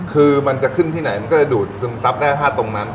คือมันจะขึ้นที่ไหนมันก็จะดูดซึมซับได้ถ้าตรงนั้น